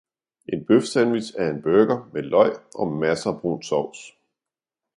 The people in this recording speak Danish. En bøfsandwich er en burger med løg og masser brun sovs.